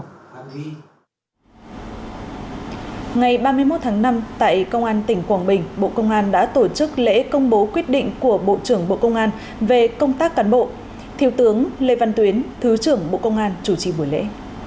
ngày ba mươi một tháng năm tại công an tỉnh quảng bình bộ công an đã tổ chức lễ công bố quyết định của bộ trưởng bộ công an về công tác cán bộ thiếu tướng lê văn tuyến thứ trưởng bộ công an chủ trì buổi lễ